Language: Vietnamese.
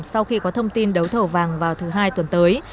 sau khi có thông tin đấu thầu vàng vào thứ hai tuần tới